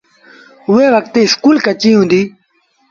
اُئي وکت اُ اسڪول ڪچيٚ هُݩدي۔